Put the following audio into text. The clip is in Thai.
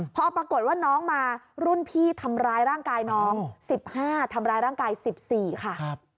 พอปรากฏว่าน้องมารุ่นพี่ทำร้ายร่างกายน้อง๑๕ทำร้ายร่างกาย๑๔ค่ะ